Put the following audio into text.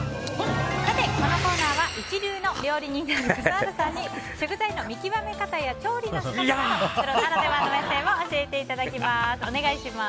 このコーナーは一流の料理人である笠原さんに食材の見極め方や調理の仕方などプロならではの視点を教えていただきます。